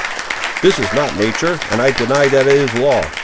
This is not nature, and I deny that it is law.